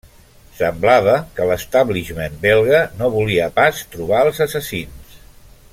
Semblava que l'establishment belga no volia pas trobar als assassins.